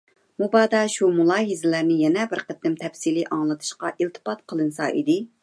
مۇبادا شۇ مۇلاھىزىلەرنى يەنە بىر قېتىم تەپسىلىي ئاڭلىتىشقا ئىلتىپات قىلىنسا ئىدى.